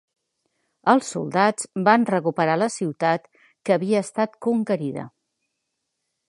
Els soldats van recuperar la ciutat que havia estat conquerida.